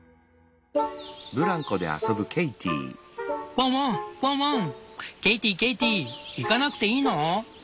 「ワンワンワンワンケイティケイティ行かなくていいの？